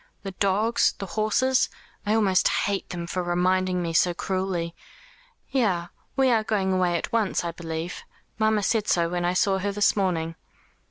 The dogs, the horses. I almost hate them for reminding me so cruelly. Yes, we are going away at once, I believe. Mamma said so when I saw her this morning."